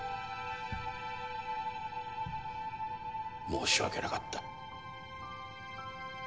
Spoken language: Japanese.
申し訳なかった。